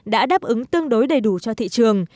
đã đáp ứng tương đối đầy đủ cho thị trường